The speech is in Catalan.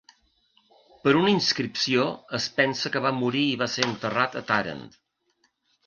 Per una inscripció es pensa que va morir i va ser enterrat a Tàrent.